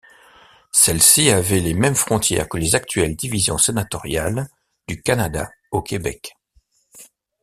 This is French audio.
Celles-ci avaient les mêmes frontières que les actuelles divisions sénatoriales du Canada au Québec.